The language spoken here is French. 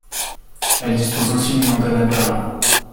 Elle dispose aussi d'une antenne à Berlin.